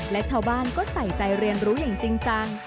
และชาวบ้านก็ใส่ใจเรียนรู้อย่างจริงจัง